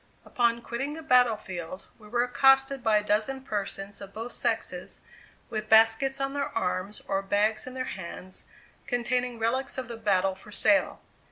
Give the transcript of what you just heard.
Upon quitting the battle field we were accosted by a dozen persons of both sexes with baskets on their arms or bags in their hands, containing relics of the battle for sale.